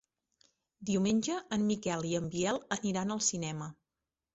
Diumenge en Miquel i en Biel aniran al cinema.